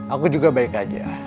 aku juga baik aja